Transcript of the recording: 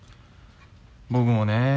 僕もねえ